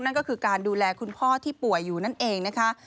นั่นก็คือการดูแลคุณพ่อที่ป่วยอยู่นั่นเองนะคะ